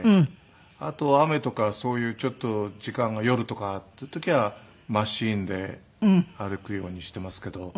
あとは雨とかそういうちょっと時間が夜とかっていう時はマシンで歩くようにしていますけど。